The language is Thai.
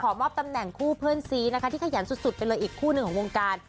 มอบตำแหน่งคู่เพื่อนซีนะคะที่ขยันสุดไปเลยอีกคู่หนึ่งของวงการ